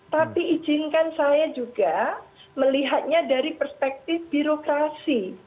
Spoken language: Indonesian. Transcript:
tapi izinkan saya juga melihatnya dari perspektif birokrasi